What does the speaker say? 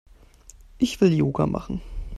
Ich will Yoga machen.